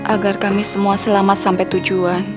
agar kami semua selamat sampai tujuan